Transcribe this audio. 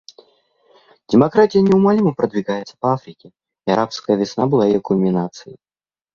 Демократия неумолимо продвигается по Африке, и «арабская весна» была ее кульминацией.